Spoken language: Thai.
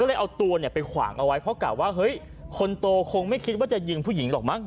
ก็เลยเอาตัวเนี่ยไปขวางเอาไว้เพราะกะว่าเฮ้ยคนโตคงไม่คิดว่าจะยิงผู้หญิงหรอกมั้